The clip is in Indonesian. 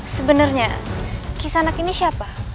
sebenarnya kisanak ini siapa